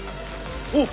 おっ！